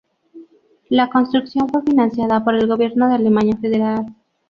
La construcción fue financiada por el gobierno de Alemania Federal.